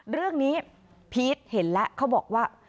เรื่องนี้พีชเห็นแล้วเขาบอกว่า